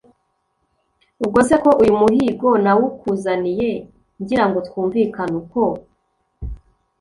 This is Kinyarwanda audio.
Ubwo se ko uyu muhigo nawukuzaniye, ngira ngo twumvikane uko